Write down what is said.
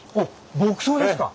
牧草ですか。